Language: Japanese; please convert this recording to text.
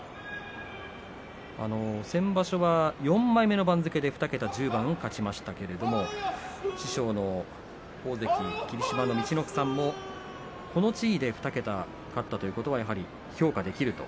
先場所は４枚目の番付で２桁１０番勝ちましたけれども師匠の大関霧島の陸奥さんもこの地位で２桁勝ったということはやはり評価できると。